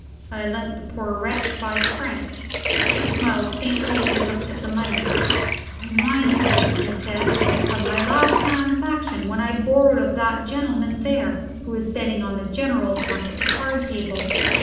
I lent the poor wretch five francs. He smiled faintly as he looked at the money. "It reminds me," he said, "of my last transaction, when I borrowed of that gentleman there, who is betting on the General's luck at the card table.